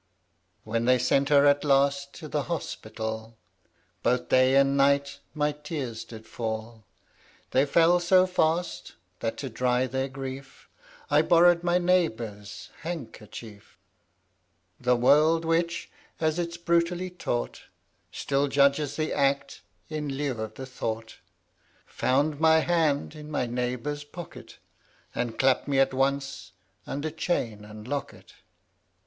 When they sent her at last to the hos pital, Both day and m<rht my tears did fall ; They fell so fast that, to dry their grief, 21G THE WANDERER. I borrowed my neighbor's handker chief. The world, which, as it is brutally taught, Still judges the act in lieu of the thought, Found my hand in my neighbor's pocket, And clapped me, at once, under chain and locket.